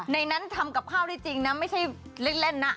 ในนั้นทำกับข้าวได้จริงนะไม่ใช่เล่นนะ